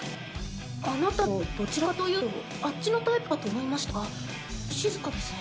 あなたもどちらかというとあっちのタイプかと思いましたが静かですね。